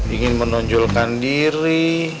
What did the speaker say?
ingin menonjolkan diri